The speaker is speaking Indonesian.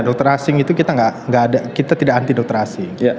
dokter asing itu kita tidak anti dokter asing